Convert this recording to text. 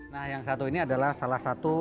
nah yang satu ini adalah salah satu